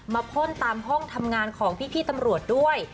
พ่นตามห้องทำงานของพี่ตำรวจด้วย